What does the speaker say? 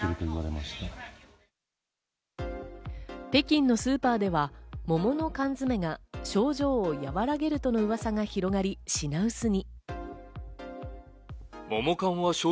北京のスーパーでは桃の缶詰が症状を和らげるとの噂が広がり品薄に。